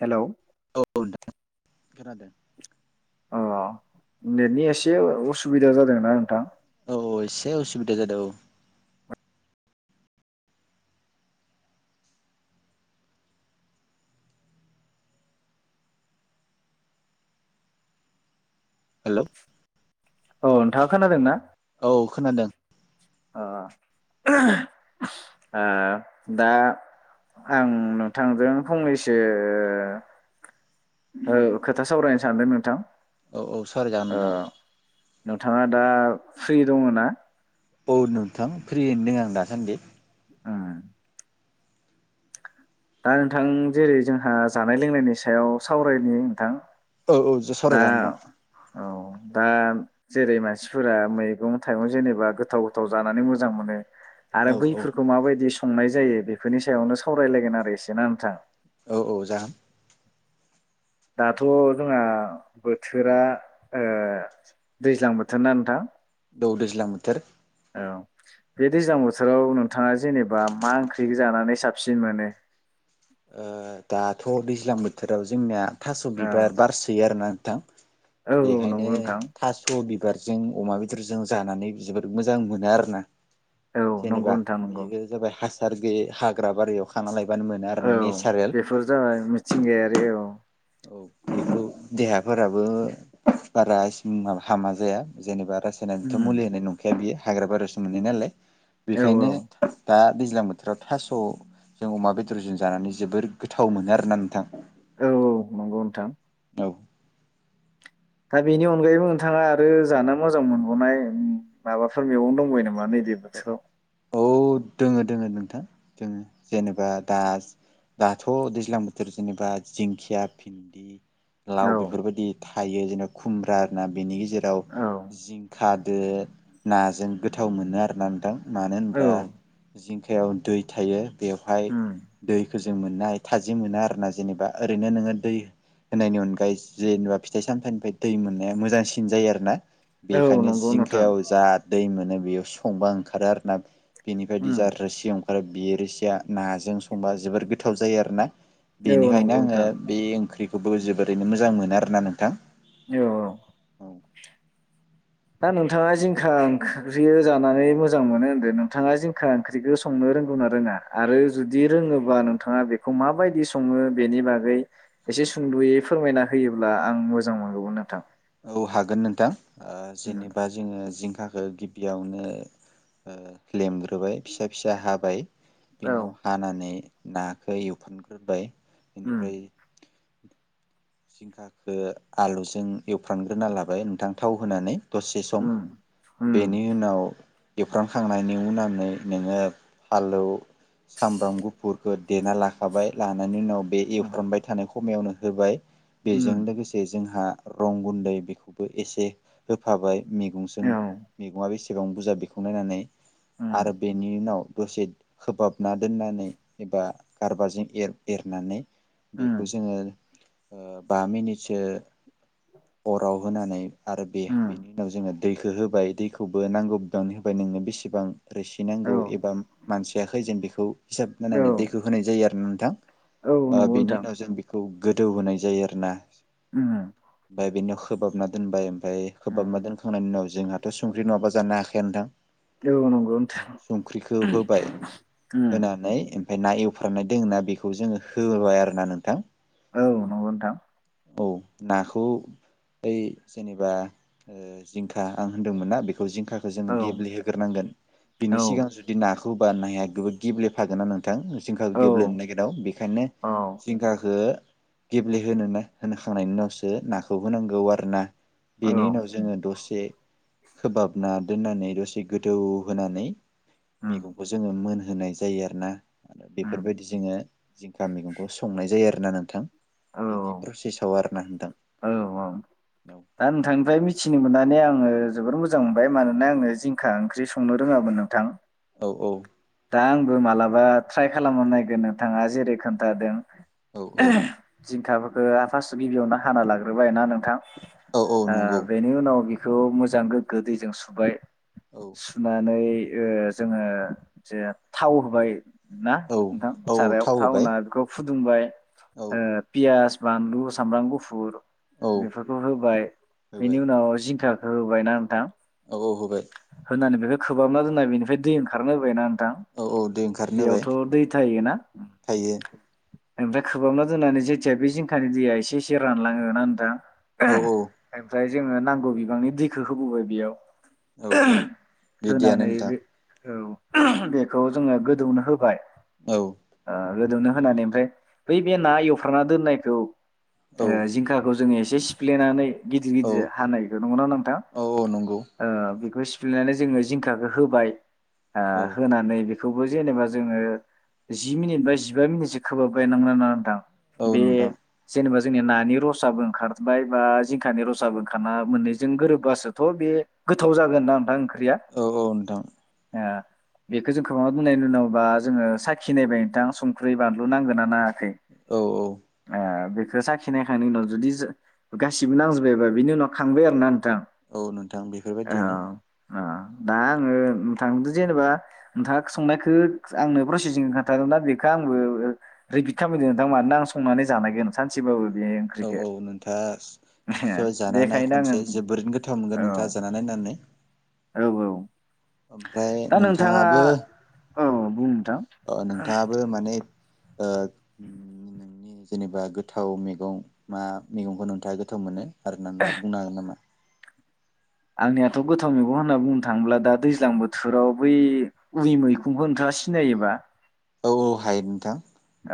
Hello औ नोंथां खोनादों अ नेटनि एसे उसुबिदा जादोंना नोंथां औ औ एसे असुबिदा जादों औ हेलौ औ नोंथाङा खोनादों ना औ खोनादों ओ ओ दा आं नोंथांजों फंनैसो ओ खोथा सावरायनो सानदों नोंथां औ औ सावराय जागोन ओ नोंथां नोंथाङा दा फ्रि दङ ना औ नोंथां फ्रि होनदों आं दासान्दि उम दा नोंथां जेरै जोंहा जानाय लोंनायनि सायाव सावरायनि नोंथां औ औ दा सावरायजागोन नोंथां औ दा जेरै मानसिफोरा मैगं थाइगं जेनेबा गोथाव गोथाव जानानै मोजां मोनो औ आरो औ बैफोरखौ माबायदि संनाय जायो बेफोरनि सायावनो सावरायलायगोन आरो एसे ना नोंथां औ औ जागोन दाथ जोंहा बोथोरा ओ दैज्लां बोथोरना नोंथां? औ दैज्लां बोथोर। औ बे दैज्लां बोथोराव नोंथांङा जेनेबा मा ओंख्रि जानानै साबसिन मोनो। दाथ दैज्लां बोथोराव जोंनिया। थास औ बिबार बारसोयो आरोना। नोंथां। औ औ बेखायनो नंगौ नोंथां थास बिबार। बिबारजों अमा बेदरजों जानानै जोबोर मोजां मोनो आरो ना। औ नंगौ जेनेबा नोंथां नंगौ बेयो जाबाय हसार। हासार गोयै बे हाग्रा बारियाव खाना लायबानो मोनो। आरो औ नेचारेल बेफोर जाबाय मिथिंगायारि औ। औ बे देहाफोराबो बारा हामा जाया जेनेबा। बासायनायनिथ उम मुलि होनाय नंखाया बियो। हाग्रा बारियावसो मोननाय नालाय। औ औ बेखायनो दा। दैज्लां बोथोराव थास जों अमा बेदरजों जानानै जोबोर गोथाव मोनो आरोना नोंथां। औ औ नंगौ नोंथां। औ। दा बेनि अनगायैबो नोंथांङा आरो जानो मोजां मोनबावनाय माबाफोर मैगं दंबावयो नामा। बेबायदि बोथोराव। दंङ दंङ नोंथां दङ जेनेबा दा दाथ दैज्लां बोथोर जेनेबा जिंखिया भिन्दि। औ लाव बेफोरबायदि। थायो जेनेबा खुम्ब्रा आरो ना बेनि गेजेराव। जेराव औ जिंखाजों। नाजों गोथाव मोनो आरो। नोंथां मानो औ होनबा। जिंखायाव दै थायो। बेवहाय उम दै। दैजों मोननाय थाजिम मोनो आरो ना जेनेबा ओरैनो नोंङो दै होनायनि अनगायै जेनेबा फिथाइ सामथायाइनिफ्राय दै मोननाया मोजांसिन जायो आरो ना। औ बेखायनो नंगौ नोंथां जिंखायाव जा। दै मोनो बेयाव संबा ओंखारो आरो ना। बेनि बायदि उम जा रोसि ओंखारो। आरो बे रोसिया नाजों संबा जोबोर गोथाव जायो आरोना। औ बेनिखायनो नंगौ आंङो नोंथां बे ओंख्रिखौ। बेखौबो जोबोरैनो मोजां मोनो आरो ना नोंथां। औ औ। औ दा नोंथाङा जिंखा ओंख्रि जानानै मोजां मोनो होनदों नोंथाङा जिंखा ओंख्रिखौ संनो रोंगौ ना रोङा? आरो जुदि रोङोबा नोंथाङा बेखौ माबायदि सङो बेनि बागै एसे सुंद'यै फोरमायना होयोब्ला आं मोजां मोनगौमोन नोंथां। औ हागोन नोंथां। ओ उम जेनेबा जोङो जिंखा गिबियावनो ओ लेमग्रोबाय फिसा फिसा हाबाय। बिनि उनाव औ हानानै नाखौ एवफ्रामग्रोबाय। उम बेनिफ्राय जिंखाखो आलुजों एवफ्रामग्रोना लाबाय नोंथां थाव होनानै दसे सम उम उम बेनि उनाव एवफ्रामखांनायनि उनानै नोङो फालौ सामब्राम गुफुरखौ देना लाखाबाय लानायनि उनाव बे उम एवफ्रामबाय थानायखौ खमायावनो होबाय। बेजों उम लोगोसे जोंहा रं गुन्दै बेखौबो एसे होफाबाय। मैगंजों औ मैगङा बेसे बां बुरजा बेखौ नायनानै उम आरो बेनि उनाव दसे खोबहाबना दोननानै एबा गारबाजों एर-एरनानै उम बेखौ जोङो ओ बा मिनिट सो अराव होनानै आरो बे उम बेनि उनाव जोङो दैखो होबाय दैखौबो नांगौ बिबांनो होबाय नोंनो बिसेबां औ रोसिनांगौ एबा मानसि या खैजोन बेखौ हिसाब औ नायनानै दैखौ होनाय जायो आरो ना औ नंगौ बेनि नोंथां उनाव जों बेखौ गोदौ होनाय जायो आरो ना। उम ओमफ्राय बेनि उनाव खोबाबना दोनबाय। ओमफ्राय खोबाब ना उम दोनखांनायनि उनाव जोंहाथ' संख्रि नङाबा जानो हाखाया नोथां? औ नंगौ होबाय नोंथां होनानै ओमफ्राय ना एवफ्रनाय दोङो ना बेखौ जोङो होबाय आरो ना नोंथां। औ नंगौ नोंथां। औ ना खौ ओइ जेनेबा ओ जिंखा आं होनदोंमोन ना बे खौ जिंखाखौ जों औ गेब्लेहोग्रोनांगोन औ बिनि सिगां जुदि ना खौबानोहाया गेब्लेफागोना नों थां जिंखाखौ औ गेब्लेनो नागिराव बेखायनो औ जिंखाखो गेब्लेहोनो ना होनोखांनायनि उनावसो ओ नाखौ होनांगौ आरो ना। औ बेनि उनाव जोङो दसे खोबहाबना दोननानै दसे गोदौ होनानै उम मैगंखौ जोङो मोनहो होनाय जायो आरोना। आरो उम बेफोरबायदि जोङो जिंखा मैगंखौ संनाय जायो आरो ना नोंथां। औ बिदि प्रसेसआव आरोना नोंथां। औ औ औ दा नोंथांनिफ्राय मिथिनो मोननानै आं आङो जोबोर मोजां मोनबाय मानोना आङो जिंखा ओंख्रि संनो रोङामोन नोंथां। औ औ। दा आंबो मालाबा ट्राइ खालामनो नायगोन नोंथाङा जेरै खोन्थादों। औ औ जिंखाबो ओ आ फास गिबियावनो हाना लाग्रोबाय ना नोंथां औ औ ओ नंगौ बेनि उनाव बेख खौ मोजां गोग्गो दैजों सुबाय। औ सुनानै ओ जोङो जेर थाव होबाय ना औ नोंथां औ सारायाव थाव होबाय थावहोना बेखौ फु फुदुंबाय। औ ओ पियास बान्लु सामब्राम गुफुर औ बेफोरखौ होबाय बेनि होबाय उनाव जिंखा होबायना नोंथां औ होबाय। होननानै बेखौ खोबाबना दोननाय बेनिफ्राय दै ओंखारनो होबायना नो थां औ औ दै ओंखारनो होबाय बेयावथ' दै थायोना। थायो ओमफ्राय खोबाबना दोननानै जेथिया बे जिंखानि दैया एसे एसे रानलाङो ना नोंथां औ ओहो औ आमफ्राय जोङो नांगौ बिबांनि दैखौ होबोबाय बियाव औ औ बिदियानो नोंथां बे औ ओहा बेखौ जोङो गोदौनो होबाय औ ओ गोदौनो होनानै ओमफ्राय बै बे ना एवफ्रामना दोननायखौ औ ओ जिंखाखौ जोङो एसे सिफ्लेनानै गिदिर औ गिदिर हानायखौ नंगोना नोंथां औ औ नंगौ ओ बे खौ सिफ्लेनानै जोङो जिंखाखौ होबाय आ औ होनानै बे खौबो जेनेबा जोङो जि मिनिट बा जिबा मिनिटसो खोबहाबबाय नोंगौना नङा नोंथां? औ बे नोंथां जेनेबा जोंनिया नानि रसाबो ओंखारबाय बा जिंखानि रसाबो ओंखारना मोननैजों गोरोबबासोथ' बे गोथाव जागोन ना नोंथां ओं औ औ नोंथां आ बेखौ जों खोबहाबना दोननायनि उनाव बा जोङो साखि नायबाय नोंथां संख्रि बानलु नांगोना नाङा औ औ खो साखिनायखांनायनि उनाव जुदि जा गासिबो नांजोब्बायबा बिनि उनाव खांबाय आरो ना औ नोंथां बेफोरबायदियानो अ दा आङो नोंथांदो' जेनेबा नोंथाङा संनायखो आंनो प्रसेसिं खोनथागोनबा बेखौ आंबो रिफिद खामफिनगोन ओनथां मानोना आं संनानै जानायगोन सानसेबाबो बे औ ओंख्रिखौ औ नोंथाङा निस्सय जाना नाय बेखायनो आङो खनसे जोबोरैनो गोथाव औ मोनगोन नोंथाङा जाना नायनानै औ औ ओमफाय दा नोंथाङा नोंथाङाबो औ बुं नोंथां अ नोंथाङाबो माने ओ [inaudible] जेनेबा गोथाव मैगं मा मैगंखौ नोंथाङा गोथाव मोनो आरो नोंथाङा बुंनो हागोन नामा आंनियाथ' गोथाव मैगं होनना बुंनो थाङोब्ला दा दैज्लां बोथोराव बै उरि मैखुंखौ नोंथाङा सिनायोबा? औ औ हायो नोंथां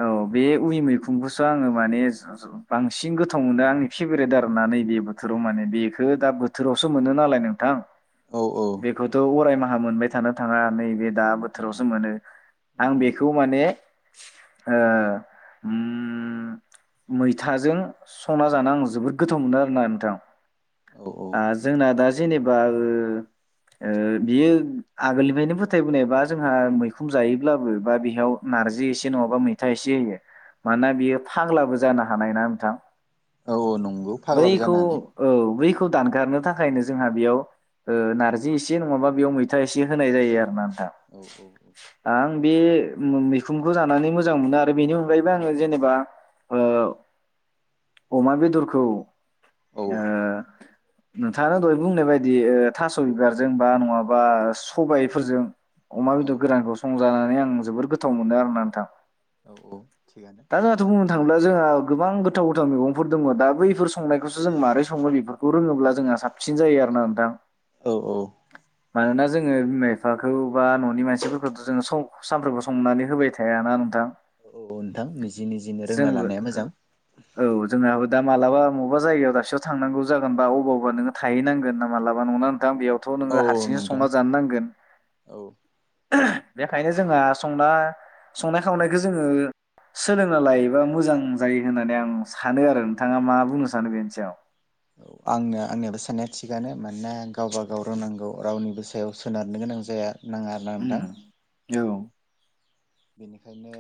औ बे ऐ मैखुनखौसो आङो माने जा बांसिन गोथाव मोनो आंनि फेभरेट आरोना नैबे बोथोराव माने बेखौ दा बोथोरावसो मोनो नालाय नोंथां औ औ बेखौथ' अराय मा हा मोनबाय थानो थाङा नैबे दा उम बोथोरावसो मोनो उम आं उम बेखौ माने ओ ओम मैथाजों संना जानो आङो जोबोद गोथाव मोनो आरोना नोंथां औ औ आ जोंना दा जेनेबा ओ ओ बियो आगोलनिफायनो फोथायबोनाय बा जोंहा मैखुन जायोब्लाबो बा बेहयाव नार्जि एसे नङाबा मै था इसे होयो मानोना बियो फाग्लाबो जानो हानाय ना नोंथां औ औ नंगौ फाग्लाबो बैखौ जानो हानाय औ बैख खौ दानगारनो थाखायनो जोंहा बेयाव ओ नारजि एसे नङाबा बेयाव मैथा एसे होनाय जायो आरो ना औ औ [inaudible] बे मैखुनखौ जानानै मोजां मोनो आरो बेनि अनगायैबो आङो जेनेबा ओ अमा बेदरखौ औ ओ नोंथाङा दहाय बुंनाय बायदि थास औ बिबारजों बा नङाबा सबायफोरजों अमा औ बेदर गोरानखौ संजानानै आं जोबोर गोथाव मोनो आरोना नोंथां औ औ थिगानो दा जोंहाथ ओ बुंनो नोंथाङा थाङोब्ला जोंहा गोबां गोथाव गोथां मैगंफोर दङ दा बैफोर संनायखौसो जों मारै सङो बेफोरखौ रोङोब्ला जोंहा साबसिन जायो आरोना नोंथां औ औ मानोना जोङो बिमा बिफाखौ बा ननि मानसिफोरखौथ जोङो सानफ्रोमबो संनानै होबाय थायाना नोंथां औ नोंथां निजि निजिनो रोंना जोंबो लानाया मोजां औ जोंहाबो दा मालाबा मबेबा जायगायाव दाबसेयाव थांनांगोन जागोन बा अबावबा थाहैनांगोना मालाबा न ना नोंथां बेयावथ औ नोङो औ हारसिङैसो नोंथां संना जाहैनांगोन जानो औ नांगोन बेखायनो जोङो संना संनाय खावनाय जोङो सोलोंना लायोबा मोजां जायो होननानै आं सानो आरो नोंथाङा मा बुंनो सानो बेनि सायाव आंनो आंनियाबो साननाया थिगानो मानोना गावबा गाव रोंनांगौ रावनिबो सायाव सोनारनो गोनां जाया नाङा आरोना ओम नोंथां औ बेनिखायनो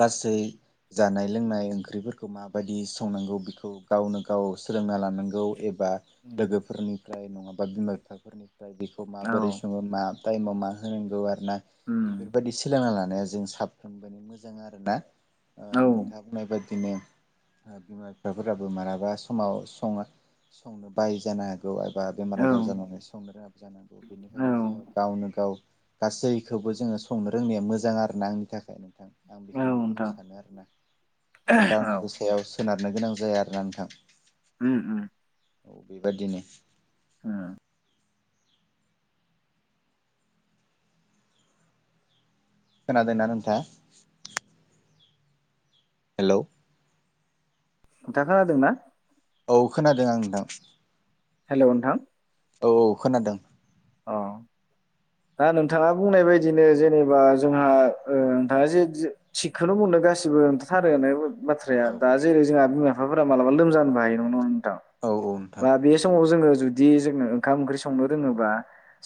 गासै जानाय लोंनाय ओंख्रिफोरखौ माबायदि संनांगौ बेखौ गावनो गाव सोलोंना लानांगौ ए बा लोगोफोरनि फ्राय नङाबा बिमा बिफाफोरनि बेखौ औ माबोरै सङो मा टाइमाव मा होनांगौ आरो उम बेफोरबायदि सोलोंना ला ओ जों साफ्रोमबोनि मोजां आरोना ओ औ नोंथाङा बुंनाय बायदि बिदिनो बिमा बिफाफोराबो मालाबा समाव सङो संनो बायो जाना गौ एबा बेमार औ आजार जानानै संनो रोङाब जानांगौ बेनिखायनो जोङो गावनो गाव गासैखौबो जोङो संनो रोंनाया मो जां आरो ना आंनि थाखाय नोंथां आं औ बेखौनो बुंनो नोंथां सानो आरोना जेन औ दावनि गो सायावसो सोनारनो गोनां जाया आरोना नोंथां ओम ओम बेबायदिनो ओम खोनादों ना नोंथां हेलौ नोंथाङा खोनादों ना औ खोनादों आं नोंथां हेलौ नोंथां औ औ खोनादों [unintelligible] बाथ्राया औ दा जेरै जोंहा [unintelligible] फोरा मालाबा लोमजानाय [unintelligible] औ औ नोंथां बा बे समाव जोङो जुदि जोङो ओंखाम ओंख्रि संनो रोङोबा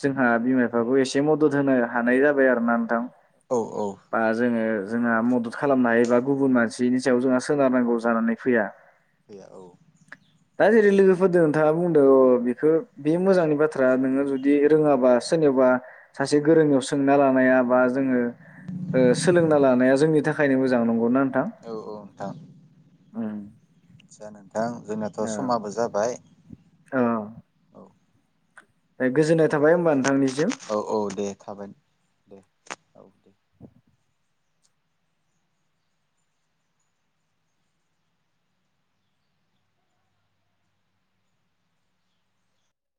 जोंहा बिमा बिफाखौ एसे मदद होनो हानाय जाबाय आरो ना नोंथां। औ औ बा जोङो जोंहा मदद खालामनो हायो एबा गुबुन मानसिनि सायाव जोंहा सोनारनांगौ जानानै फैया। फैया औ। दा जेरै लोगोफोरजों नोंथाङा बुंदों अ बेखौ बे मोजांनि बाथ्रा नोङो जुदि बिदि रोङाबा सोरनावबा सासे गोरोंनियाव सोंना लानाया बा जोङो सोलोंना लानाया जोंनि थाखायनो मोजां नंगौना नोंथां? औ औ नोंथां उम जानागौ दा जोंनाथ' समाबो जाबाय। अ औ दे गोजोन्नाय थाबाय होमबा नोंथांनिसिम। औ औ दे थाबाय दे औ दे।